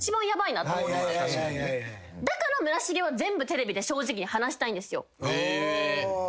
だから村重は全部テレビで正直に話したいんですよ。